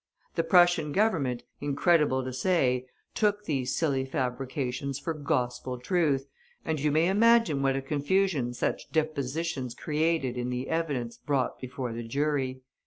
The Prussian Government, incredible to say, took these silly fabrications for gospel truth, and you may imagine what a confusion such depositions created in the evidence brought before the jury.